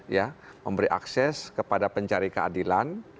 ya memberi akses kepada pencari keadilan